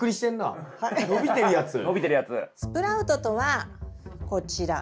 スプラウトとはこちら。